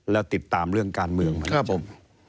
และติดตามเรื่องการเมืองมากัน